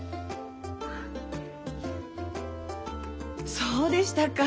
そうでしたか。